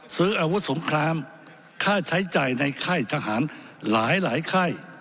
ซื้ออวบสมครามค่าใช้จ่ายในไข้ทหารหลายไข้